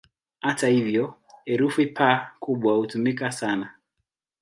Hata hivyo, herufi "P" kubwa hutumika sana.